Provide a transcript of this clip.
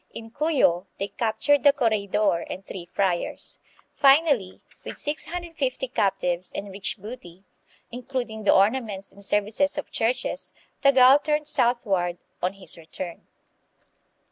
In Cuyo they captured the corregidor and three friars. Finally, with 198 THE PHILIPPINES, 650 captives and rich booty, including the ornaments and services of churches, Tagal turned southward on his return.